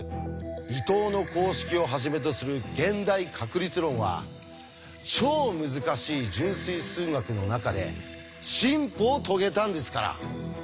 伊藤の公式をはじめとする現代確率論は超難しい純粋数学の中で進歩を遂げたんですから。